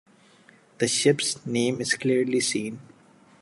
The ship's name is clearly seen.